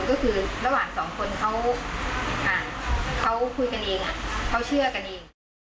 ก็คือระหว่างสองคนเขาคุยกันเองเขาเชื่อกันเอง